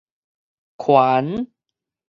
權